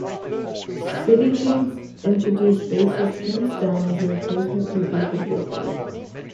"City Kids" introduced bassist Kim Stone as the replacement for David Wofford.